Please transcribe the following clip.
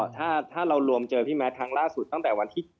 ถ้าเรารวมเจอพี่แมทครั้งล่าสุดตั้งแต่วันที่๗